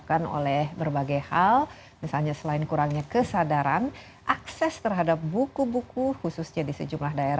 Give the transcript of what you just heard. yang penting kita terapkan dan lihat